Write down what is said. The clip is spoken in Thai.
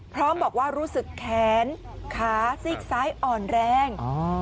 พร้อมบอกว่ารู้สึกแขนขาซีกซ้ายอ่อนแรง